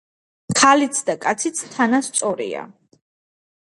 ქალიც და კაციც თანასწორია